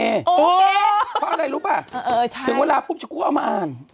เพราะอะไรรู้ป่ะจนก็ว่าพูดชุดกูตัวอ่าน